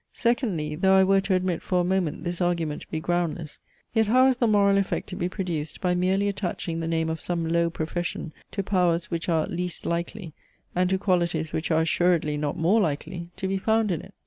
Secondly: though I were to admit, for a moment, this argument to be groundless: yet how is the moral effect to be produced, by merely attaching the name of some low profession to powers which are least likely, and to qualities which are assuredly not more likely, to be found in it?